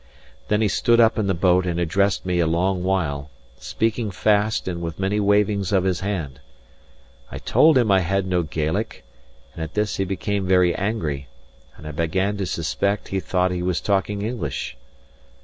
Then he stood up in the boat and addressed me a long while, speaking fast and with many wavings of his hand. I told him I had no Gaelic; and at this he became very angry, and I began to suspect he thought he was talking English.